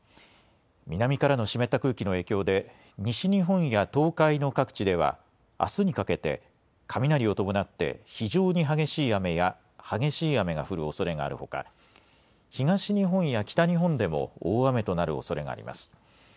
南からの湿った空気の影響で西日本や東海の各地ではあすにかけて雷を伴って非常に激しい雨や激しい雨が降るおそれがあるほか東日本や北日本でも大雨となるおそれがあります。